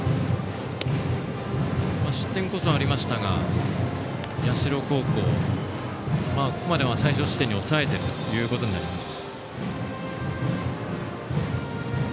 失点こそありましたが社高校をここまでは最少失点に抑えているということになります。